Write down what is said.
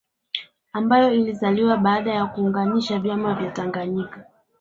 Ambayo ilizaliwa baada ya kuunganisha vyama vya Tanganyika